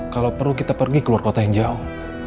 kalau perlu kita pergi ke luar kota yang jauh